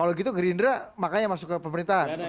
kalau gitu gerindra makanya masuk ke pemerintahan